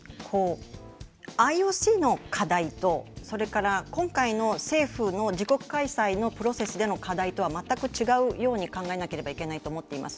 ＩＯＣの課題と今回の政府の自国開催のプロセスでの課題とは全く違うように考えなければいけないと思っています。